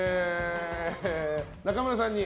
中村さんに。